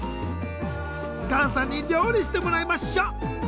ガンさんに料理してもらいましょ！